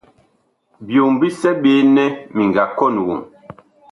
Byom bisɛ ɓe nɛ mi nga kɔn woŋ.